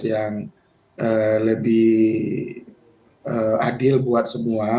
yang lebih adil buat semua